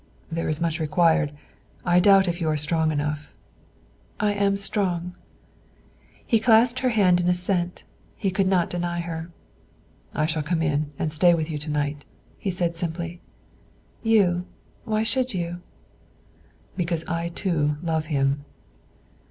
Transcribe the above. "There is much required; I doubt if you are strong enough." "I am strong." He clasped her hand in assent; he could not deny her. "I shall come in and stay with you to night," he said simply. "You. Why should you?" "Because I too love him."